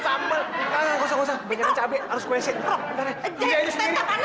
semuanya tony tony enggak aduh sakit mulut banyak banyak